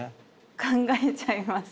考えちゃいます。